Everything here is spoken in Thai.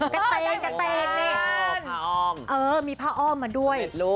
กระเตงนี่มีผ้าอ้อมมาด้วย